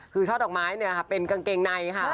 คือช่อดอกไม้เป็นกางเกงในค่ะ